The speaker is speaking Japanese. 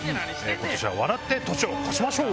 今年は笑って年を越しましょう。